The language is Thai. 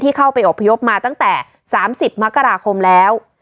เข้าไปอบพยพมาตั้งแต่๓๐มกราคมแล้ว